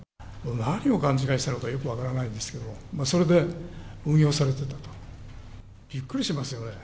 何を勘違いしたのか、よく分からないんですけど、それで運用されてたと。びっくりしますよね。